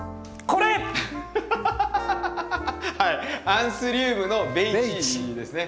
アンスリウムのベイチーですね。